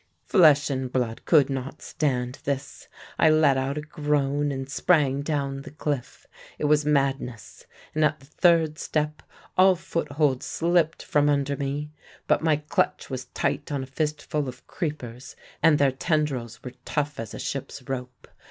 "Flesh and blood could not stand this. I let out a groan and sprang down the cliff. It was madness, and at the third step all foothold slipped from under me; but my clutch was tight on a fistful of creepers, and their tendrils were tough as a ship's rope.